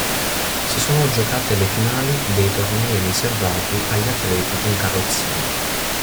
Si sono giocate le finali dei tornei riservati agli atleti in carrozzina.